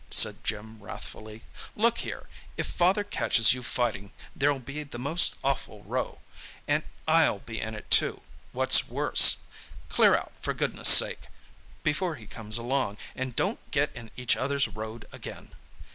said Jim wrathfully. "Look here, if father catches you fighting there'll be the most awful row—and I'll be in it too, what's worse. Clear out, for goodness' sake, before he comes along, and don't get in each others' road again!"